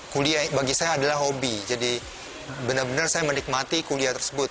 kuliah bagi saya adalah hobi jadi benar benar saya menikmati kuliah tersebut